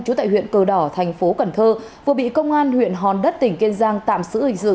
trú tại huyện cờ đỏ thành phố cần thơ vừa bị công an huyện hòn đất tỉnh kiên giang tạm giữ hình sự